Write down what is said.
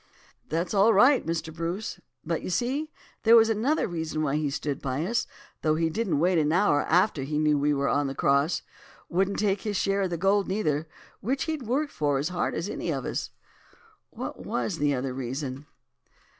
"'That's all right, Mr. Bruce; but you see there was another reason why he stood by us, though he didn't wait an hour after he knew we were on the cross; wouldn't take his share of the gold neither, which he'd worked as hard for as any of us.' "'What was the other reason?